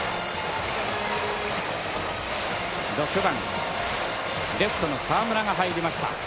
６番レフトの澤村が入りました。